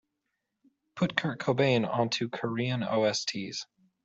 Put Kurt Cobain onto korean osts.